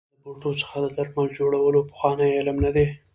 آیا د بوټو څخه د درملو جوړول پخوانی علم نه دی؟